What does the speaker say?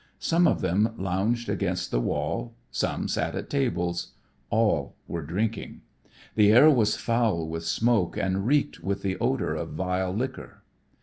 Some of them lounged against the wall. Some sat at tables. All were drinking. The air was foul with smoke and reeked with the odor of vile liquor.